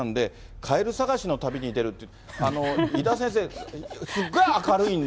カエル探しの旅に出るっていう。